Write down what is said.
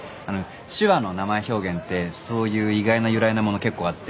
手話の名前表現ってそういう意外な由来なもの結構あって。